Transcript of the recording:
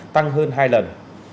tăng hơn hai lần